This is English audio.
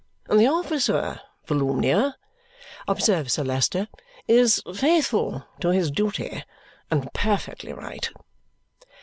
"The officer, Volumnia," observes Sir Leicester, "is faithful to his duty, and perfectly right."